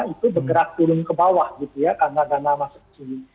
itu bergerak turun ke bawah gitu ya karena dana masuk ke sini